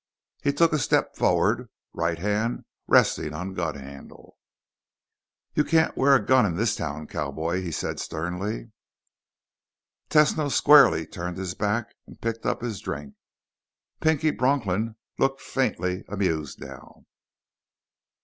He took a step forward, right hand resting on gun handle. "You can't wear a gun in this town, cowboy," he said sternly. Tesno squarely turned his back and picked up his drink. Pinky Bronklin looked faintly amused now.